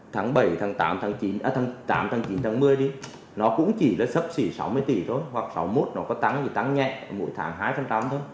tháng bảy tháng tám tháng chín tháng một mươi đi nó cũng chỉ là sấp xỉ sáu mươi tỷ thôi hoặc sáu mươi một nó có tăng thì tăng nhẹ mỗi tháng hai phần tám thôi